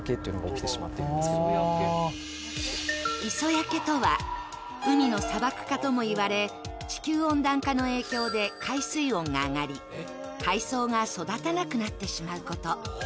磯焼けとは、海の砂漠化とも言われ、地球温暖化の影響で海水温が上がり海藻が育たなくなってしまうこと。